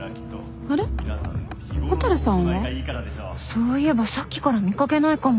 そういえばさっきから見掛けないかも。